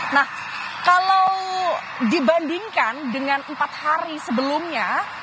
nah kalau dibandingkan dengan empat hari sebelumnya